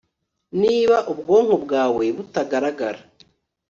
niba ubwonko bwawe butagaragara